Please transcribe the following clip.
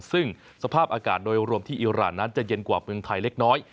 ซึ่งสภาพอากาศโดยรวมที่อิราณนั้นจะเย็นกว่าเมืองไทยเล็กน้อย